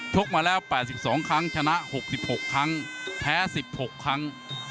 ชกมาแล้วแปดสิบสองครั้งชนะหกสิบหกครั้งแพ้สิบหกครั้ง